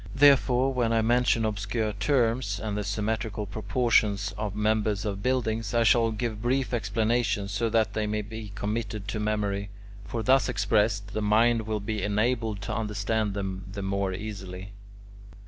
Therefore, when I mention obscure terms, and the symmetrical proportions of members of buildings, I shall give brief explanations, so that they may be committed to memory; for thus expressed, the mind will be enabled to understand them the more easily.